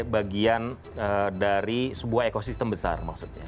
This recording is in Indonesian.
bagian dari sebuah ekosistem besar maksudnya